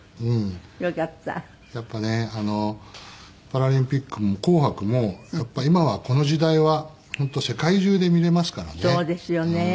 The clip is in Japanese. やっぱりねパラリンピックも『紅白』も今はこの時代は世界中で見れますからね。